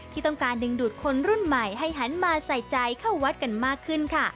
ที่ต้องการดึงดูดคนรุ่นใหม่ให้หันมาใส่ใจเข้าวัดกันมากขึ้นค่ะ